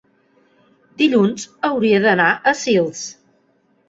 dilluns hauria d'anar a Sils.